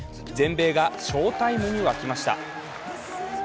全米が翔タイムに沸きました。